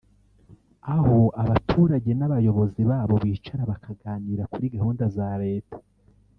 aho abaturage n’abayobozi babo bicara bakaganira kuri gahunda za Leta